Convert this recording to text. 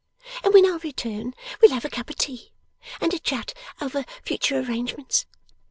And when I return, we'll have a cup of tea, and a chat over future arrangements.